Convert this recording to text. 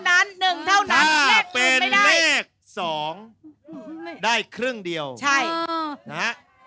ไม่ต้องเยอะ